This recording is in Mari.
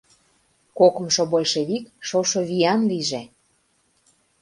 — Кокымшо большевик шошо виян лийже!